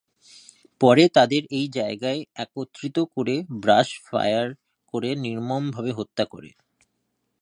পরে তাদের এই জায়গায় একত্রিত করে ব্রাশ ফায়ার করে নির্মম ভাবে হত্যা করে।